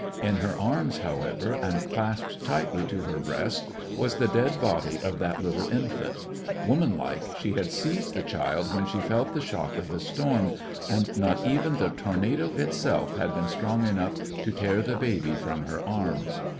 In her arms, however, and clasped tightly to her breast, was the dead body of that little infant ; womanlike, she had seized the child when she felt the shock of the storm, and not even the tornado itself had been strong enough to tear the baby from her arms.